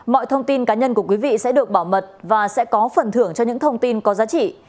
mọi thông tin cá nhân của quý vị sẽ được bảo mật và sẽ có phần thưởng cho những thông tin có giá trị